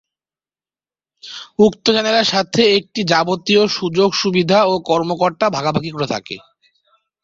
উক্ত চ্যানেলের সাথে এটি যাবতীয় সুযোগ-সুবিধা ও কর্মকর্তা ভাগাভাগি করে থাকে।